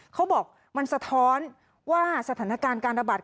เขาบอกมันสะท้อนว่าสถานการณ์การระบาด